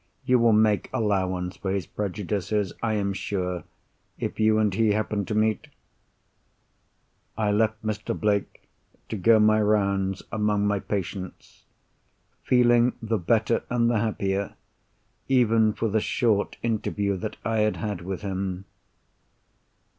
You will make allowance for his prejudices, I am sure, if you and he happen to meet?" I left Mr. Blake, to go my rounds among my patients; feeling the better and the happier even for the short interview that I had had with him.